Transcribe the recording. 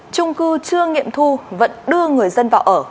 trung cư chưa nghiệm thu vẫn đưa người dân vào ở